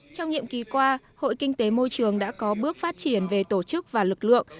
trong nhiệm kỳ qua hội kinh tế môi trường đã có bước phát triển về tổ chức và lực lượng